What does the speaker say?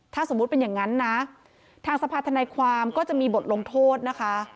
ถ้าสมมุติเป็นอย่างนั้นนะทางสภาธนายความก็จะมีบทลงโทษนะคะ